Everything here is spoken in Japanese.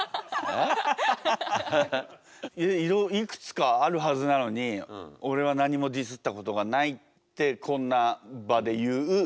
いくつかあるはずなのに「俺は何もディスったことがない」ってこんな場で言うディスり？